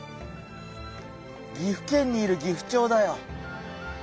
岐阜県にいるギフチョウだよ。